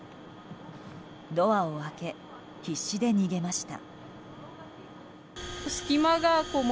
ドアを開け、必死で逃げました。